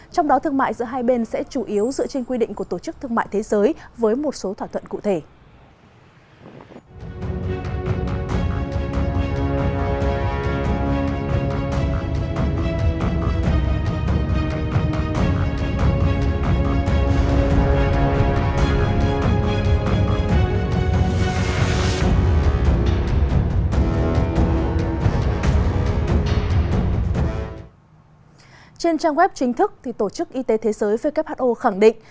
trong trang web chính thức tổ chức y tế thế giới who khẳng định